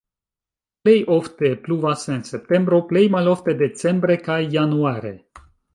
Plej ofte pluvas en septembro, plej malofte decembre kaj januare.